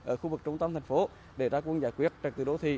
ở khu vực trung tâm thành phố để ra quân giải quyết trật tự đô thị